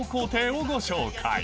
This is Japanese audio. をご紹介